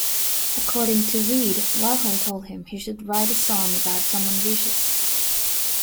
According to Reed, Warhol told him he should write a song about someone vicious.